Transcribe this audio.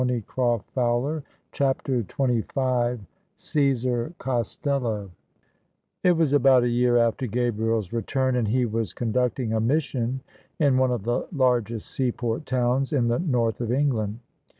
[ 340 ] CHAPTER XXV Ci£SAR COSTELLO It was about a year after Gabriel's return, and he was con ducting a mission in one of the largest seaport towns in the north of England.